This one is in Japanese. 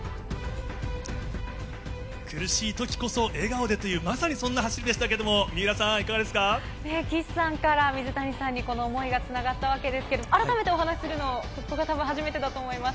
苦しいときこそ笑顔でという、まさにそんな走りでしたけれども、岸さんから水谷さんに、この想いがつながったわけですけれども、改めてお話するの、たぶん初めてだと思います。